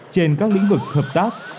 trên các lĩnh vực hợp tác